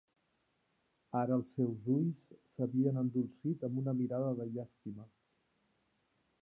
Ara els seus ulls s'havien endolcit amb una mirada de llàstima.